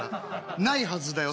ないはずだよ